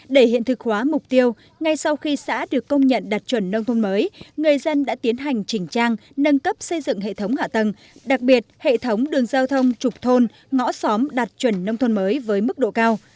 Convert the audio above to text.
để hiện thực hóa mục tiêu ngay sau khi xã được công nhận đạt chuẩn nông thôn mới người dân đã tiến hành chỉnh trang nâng cấp xây dựng hệ thống hạ tầng đặc biệt hệ thống đường giao thông trục thôn ngõ xóm đạt chuẩn nông thôn mới với mức độ cao